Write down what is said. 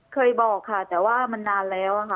เคยบอกค่ะแต่ว่ามันนานแล้วค่ะ